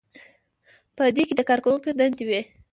په دې کې د کارکوونکي دندې وي.